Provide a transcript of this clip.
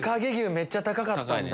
めっちゃ高かったんだ。